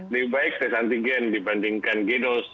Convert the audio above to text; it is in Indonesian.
lebih baik tes antigen dibandingkan gidos